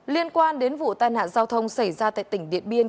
liên quan đến vụ tai nạn giao thông xảy ra tại tỉnh điện biên